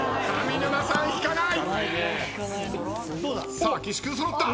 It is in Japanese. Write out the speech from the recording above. さあ岸君揃った！